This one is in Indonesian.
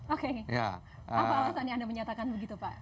oke apa alasan yang anda menyatakan begitu pak